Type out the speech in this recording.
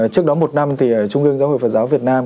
trước đó một năm thì trung ương giáo hội phật giáo việt nam